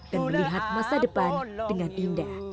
dan melihat masa depan dengan indah